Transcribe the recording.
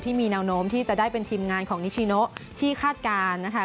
มีแนวโน้มที่จะได้เป็นทีมงานของนิชิโนที่คาดการณ์นะคะ